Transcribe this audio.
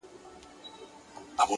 د نظم ځواک ژوند منظموي’